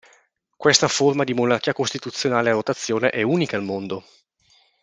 Questa forma di monarchia costituzionale a rotazione è unica al mondo.